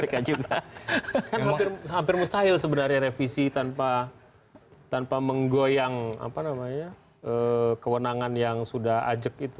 kan hampir mustahil sebenarnya revisi tanpa menggoyang kewenangan yang sudah ajak itu